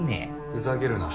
ふざけるな。